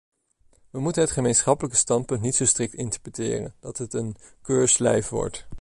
We moeten het gemeenschappelijk standpunt niet zo strikt interpreteren dat het een keurslijf wordt.